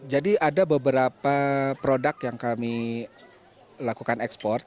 jadi ada beberapa produk yang kami lakukan ekspor